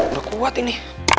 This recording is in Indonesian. udah kuat ini